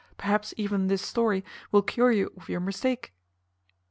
Perhaps even this story will cure you of your mistake."